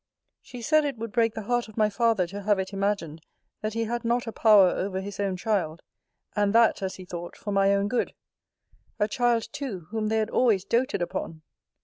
She said it would break the heart of my father to have it imagined that he had not a power over his own child; and that, as he thought, for my own good: a child too, whom they had always doated upon!